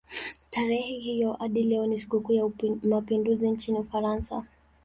Tarehe hiyo hadi leo ni sikukuu ya mapinduzi nchini Ufaransa.